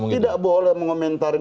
tidak boleh mengomentarin